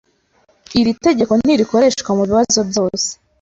Iri tegeko ntirikoreshwa mubibazo byose.